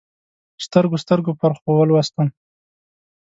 سترګو، سترګو پرخو ولوستم